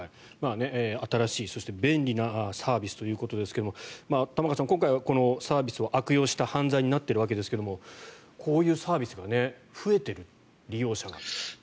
新しい便利なサービスということですけど玉川さん、今回はこのサービスを悪用した犯罪になっているわけですがこういうサービスが増えている利用者が。